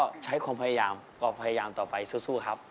ก็ใช้ความพยายามก็พยายามต่อไปสู้ครับ